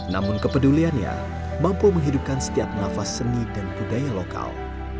namun kepeduliannya mampu menghidupkan setiap nafas seni dan budaya lokal